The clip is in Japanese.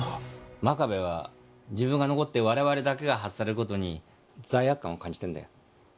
真壁は自分が残って我々だけが外される事に罪悪感を感じてるんだよ。